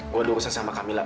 gue ada urusan sama kamila